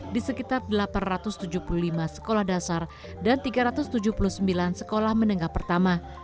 di sekitar delapan ratus tujuh puluh lima sekolah dasar dan tiga ratus tujuh puluh sembilan sekolah menengah pertama